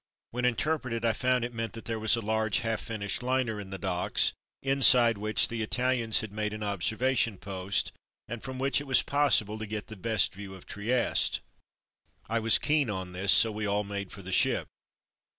When interpreted I found it meant that there was a large, half finished liner in the docks, inside which the Italians had made an observation post, and from which it was possible to get the best view of Trieste. 228 From Mud to Mufti I was keen on this, so we all made for the ship.